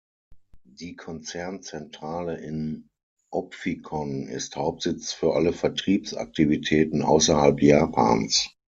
Die Konzernzentrale in Opfikon ist Hauptsitz für alle Vertriebsaktivitäten außerhalb Japans.